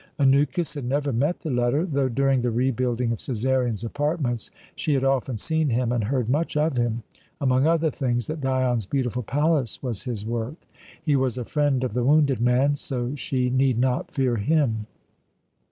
Anukis had never met the latter, though, during the rebuilding of Cæsarion's apartments, she had often seen him, and heard much of him; among other things, that Dion's beautiful palace was his work. He was a friend of the wounded man, so she need not fear him.